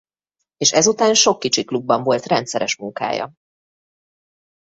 És ezután sok kicsi klubban volt rendszeres munkája.